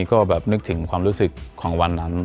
ก็แบบนึกถึงความรู้สึกของวันนั้น